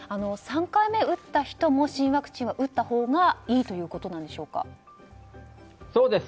３回目を打った人も新ワクチンを打ったほうがいいということでしょうか？